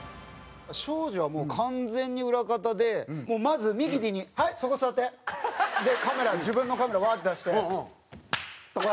庄司はもう完全に裏方でまずミキティに「はいそこ座って」。でカメラ自分のカメラうわーって出して。とか。